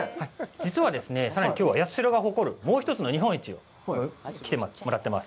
実はですね、きょう八代が誇る、もう一つの日本一に来てもらってます。